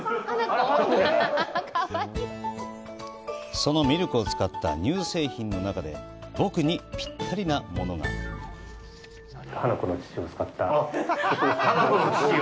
そのミルクを使った乳製品の中で僕にぴったりなものがあっ、花子の乳を！？